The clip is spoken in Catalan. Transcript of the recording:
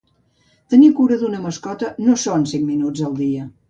Tenir cura d'una mascota no són cinc minuts al dia.